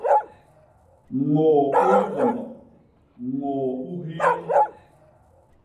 ñôô u likondo; ñôô u hyéé.